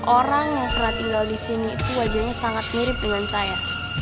orang yang pernah tinggal di sini itu wajahnya sangat mirip dengan saya